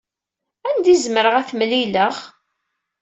Anda i zemreɣ ad t-mlileɣ?